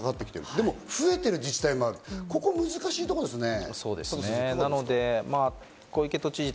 でも増えてる自治体もある、ここ難しいところですね。